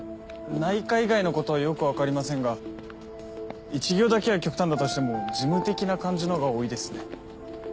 内科以外のことはよくわかりませんが一行だけは極端だとしても事務的な感じのが多いですね。